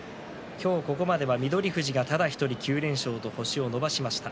今日ここまでは翠富士がただ１人９連勝と星を伸ばしました。